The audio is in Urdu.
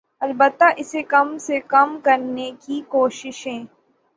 البتہ اسے کم سے کم کرنے کی کوششیں